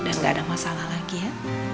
dan gak ada masalah lagi ya